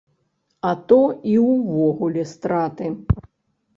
А то і ўвогуле страты.